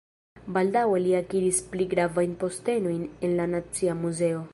Baldaŭe li akiris pli gravajn postenojn en la Nacia Muzeo.